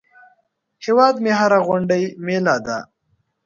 هیواد مې هره غونډۍ مېله ده